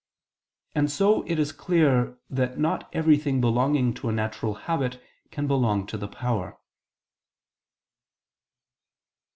And so it is clear that not everything belonging to a natural habit can belong to the power.